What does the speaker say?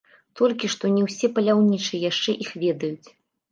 Толькі што, не ўсе паляўнічыя яшчэ іх ведаюць.